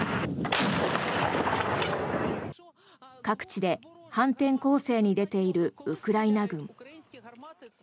各地で反転攻勢に出ているウクライナ軍。